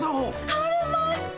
晴れました！